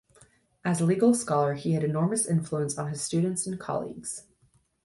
As legal scholar he had enormous influence on his students and colleagues.